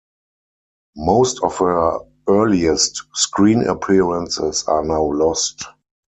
Most of her earliest screen appearances are now lost.